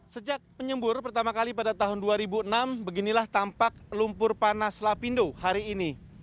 sejak penyembur pertama kali pada tahun dua ribu enam beginilah tampak lumpur panas lapindo hari ini